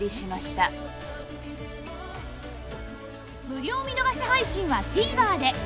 無料見逃し配信は ＴＶｅｒ で